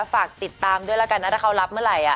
ฝากติดตามด้วยแล้วกันนะถ้าเขารับเมื่อไหร่